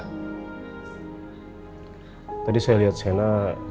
iya kamu sih arrupun itu dua mana mana tapi